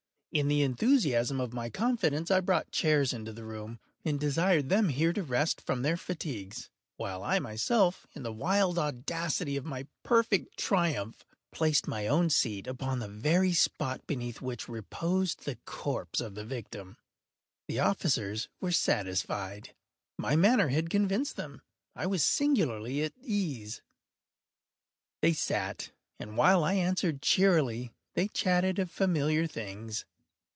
In the enthusiasm of my confidence, I brought chairs into the room, and desired them here to rest from their fatigues, while I myself, in the wild audacity of my perfect triumph, placed my own seat upon the very spot beneath which reposed the corpse of the victim. The officers were satisfied. My manner had convinced them. I was singularly at ease. They sat, and while I answered cheerily, they chatted of familiar things.